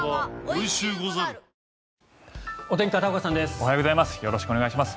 おはようございます。